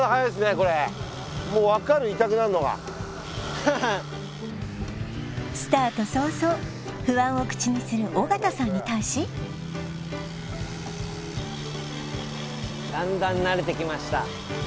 これもう分かる痛くなるのがハハッスタート早々不安を口にする尾形さんに対しだんだん慣れてきました